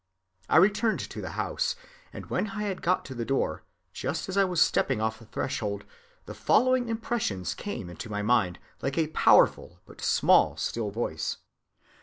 I returned to the house, and when I got to the door, just as I was stepping off the threshold, the following impressions came into my mind like a powerful but small still voice.